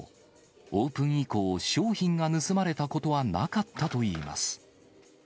オープン以降、商品が盗まれたことはなかったといいます。